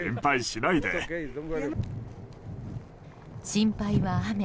心配は雨。